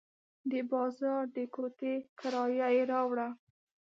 د بازار د کوټې کرایه یې راوړه.